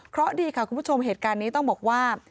เพราะดีค่ะคุณผู้ชมเหตุการณ์นี้ต้องบอกว่า